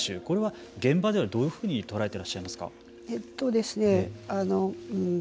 これは、現場ではどういうふうに捉えてらっしゃいますか。